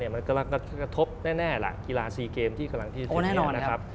มันกำลังจะกระทบแน่หลังกีฬาซีเกมที่กำลังที่ที่นี่นะครับ